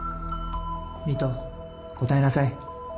美都答えなさい。